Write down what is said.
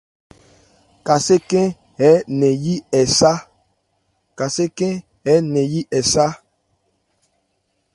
Kasé khɛ́n ɛ̀ɛ́ nɛn yí ɛ sá.